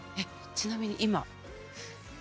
ちなみに今え？